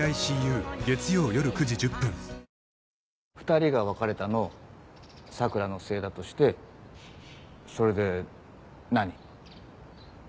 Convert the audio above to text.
２人が別れたの佐倉のせいだとしてそれで何？